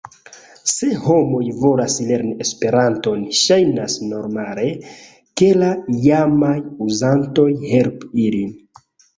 Se homoj volas lerni Esperanton, ŝajnas normale, ke la jamaj uzantoj helpu ilin.